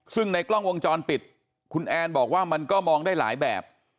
ซึ่งในกล้องวงจรปิดคุณแอนบอกว่ามันก็มองได้หลายแบบ